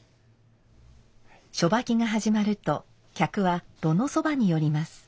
初掃きが始まると客は炉のそばに寄ります。